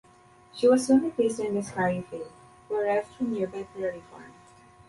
She was soon replaced by Miss Carrie Fay, who arrived from nearby Prairie Farm.